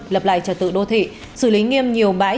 lập lại trật tự đô thị xử lý nghiêm nhiều bãi